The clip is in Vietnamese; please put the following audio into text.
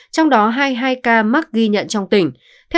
trong đó hai mươi hai ca mắc ghi nhận trong tỉnh